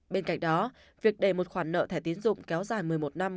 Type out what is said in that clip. bên cạnh đó việc đề một khoản nợ thẻ tiến dụng kéo dài một mươi một năm